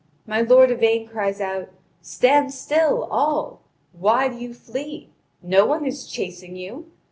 My lord Yvain cries out: "Stand still, all! Why do you flee? No one is chasing you.